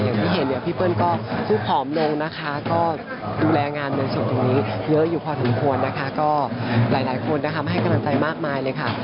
อย่างที่เห็นเนี่ยพี่เปิ้ลก็คุกผอมลงนะคะก็ดูแลงานในส่วนตรงนี้เยอะอยู่พอสมควรนะคะก็หลายคนนะคะมาให้กำลังใจมากมายเลยค่ะ